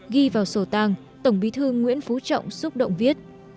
ghi vào sổ tàng tổng bí thư nguyễn phú trọng xúc động viết